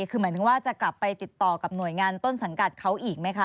คือหมายถึงว่าจะกลับไปติดต่อกับหน่วยงานต้นสังกัดเขาอีกไหมคะ